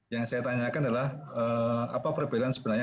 yang saya tanyakan adalah apa perbedaan sebenarnya